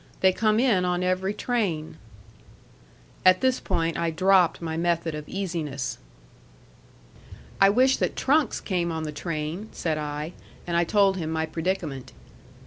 They come in on every train." At this point I dropped my method of easiness. "I wish that trunks came on the train," said I. And I told him my predicament.